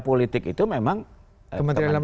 politik itu memang kementerian dalam